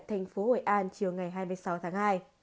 thành phố hội an chiều ngày hai mươi sáu tháng hai